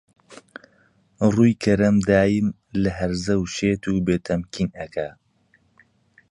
ڕووی کەرەم دایم لە هەرزە و شێت و بێ تەمکین ئەکا